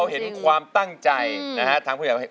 เขาเห็นความตั้งใจของแต่ละคนที่ขึ้นมานี่แต่ละคนนี้